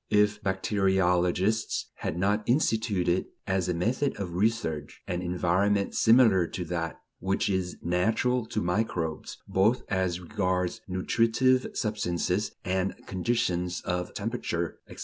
If bacteriologists had not instituted, as a method of research, an environment similar to that which is natural to microbes, both as regards nutritive substances and conditions of temperature, etc.